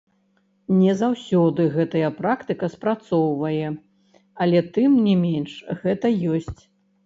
Не заўсёды гэтая практыка спрацоўвае, але, тым не менш, гэта ёсць.